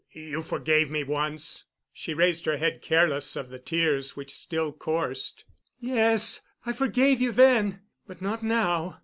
"You forgave me once." She raised her head, careless of the tears which still coursed. "Yes, I forgave you then. But not now.